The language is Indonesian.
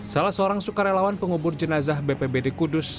salah seorang sukarelawan pengubur jenazah bpbd kudus